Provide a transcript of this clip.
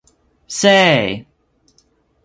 Say!